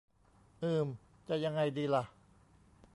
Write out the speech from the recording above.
อืม จะยังไงดีล่ะ